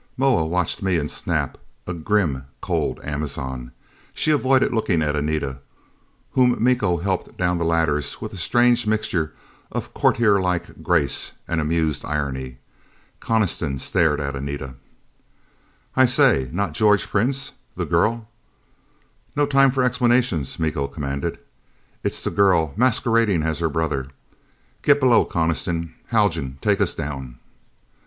Moa watched me and Snap, a grim, cold Amazon. She avoided looking at Anita, whom Miko helped down the ladders with a strange mixture of courtierlike grace and amused irony. Coniston stared at Anita. "I say, not George Prince? The girl " "No time for explanations," Miko commanded. "It's the girl, masquerading as her brother. Get below, Coniston. Haljan takes us down."